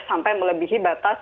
sampai melebihi batas